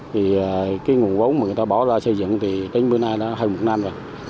vì cái nguồn vốn mà người ta bỏ ra xây dựng thì tính bữa nay đã hơn một năm rồi